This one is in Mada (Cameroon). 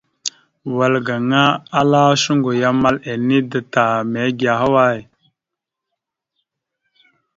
Wal gaŋa ala shuŋgo ya amal ene da ta, mege ahaway?